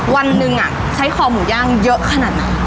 วันนึงอ่ะใช้คอหมูย่างเยอะขนาดนั้น